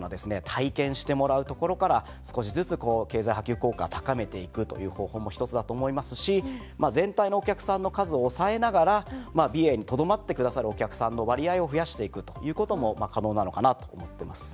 体験してもらうところから少しずつ経済波及効果高めていくという方法も一つだと思いますし全体のお客さんの数を抑えながら美瑛にとどまってくださるお客さんの割合を増やしていくということも可能なのかなと思ってます。